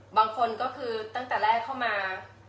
บางคนก็คือตั้งแต่แรกเข้ามา